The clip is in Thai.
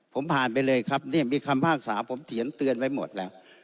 ผมผ่านไปเลยครับเนี่ยมีคำภาษาผมเถียนเตือนไว้หมดแล้ว